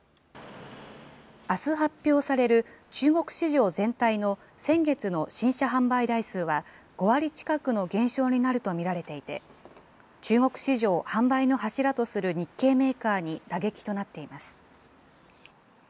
あす発表される中国市場全体の先月の新車販売台数は、５割近くの減少になると見られていて、中国市場を販売の柱とする日系メーカーに打撃となっています。